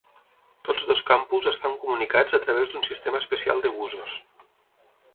Tots dos campus estan comunicats a través d'un sistema especial de busos.